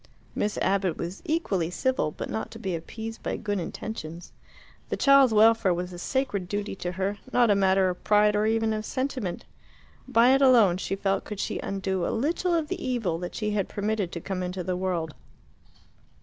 Miss Abbott was equally civil, but not to be appeased by good intentions. The child's welfare was a sacred duty to her, not a matter of pride or even of sentiment. By it alone, she felt, could she undo a little of the evil that she had permitted to come into the world.